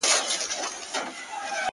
• د شپې غمونه وي په شپه كي بيا خوښي كله وي.